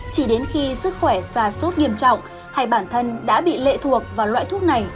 chỉ đến khi sức khỏe xa suốt nghiêm trọng hay bản thân đã bị lệ thuộc vào loại thuốc này